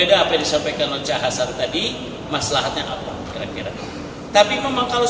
beda apa yang disampaikan oleh cahasar tadi masalahnya apa kira kira tapi memang kalau